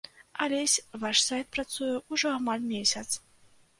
Алесь, ваш сайт працуе ўжо амаль месяц.